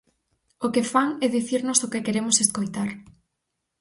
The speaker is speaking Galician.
O que fan é dicirnos o que queremos escoitar.